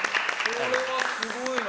これはすごいな！